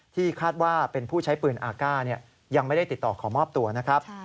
ที่คาดว่าเป็นผู้ใช้ปืนอากาศยังไม่ได้ติดต่อขอมอบตัวนะครับ